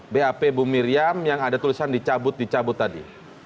bap bu miriam yang ada tulisan dicabut dicabut tadi